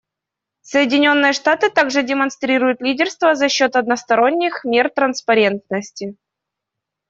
Соединенные Штаты также демонстрируют лидерство за счет односторонних мер транспарентности.